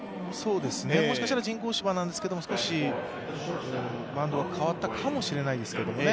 もしかしたら、人工芝なんですけど少しバウンドが変わったかもしれないですけどね。